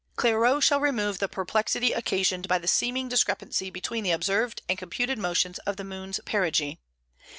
Clairaut shall remove the perplexity occasioned by the seeming discrepancy between the observed and computed motions of the moon's perigee.